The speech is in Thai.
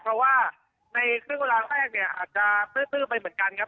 เพราะว่าในครึ่งเวลาแรกเนี่ยอาจจะตื้อไปเหมือนกันครับ